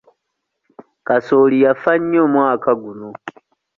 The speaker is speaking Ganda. Kasooli yafa nnyo omwaka guno.